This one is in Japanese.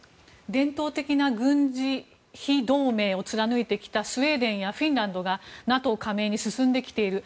伝統的な軍事非同盟を貫いてきたスウェーデンやフィンランドがＮＡＴＯ加盟に進んできている。